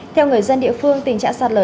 theo người dân địa phương tình trạng sạt lở